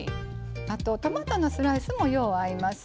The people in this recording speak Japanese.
あとトマトのスライスもよう合います。